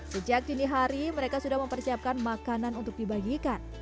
sejak dini hari mereka sudah mempersiapkan makanan untuk dibagikan